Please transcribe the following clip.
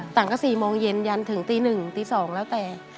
ตั้งแต่๔โมงเย็นยันถึงตี๑ตี๒แล้วแต่